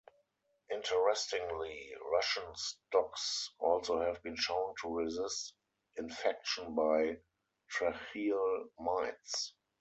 Interestingly, Russian stocks also have been shown to resist infection by tracheal mites.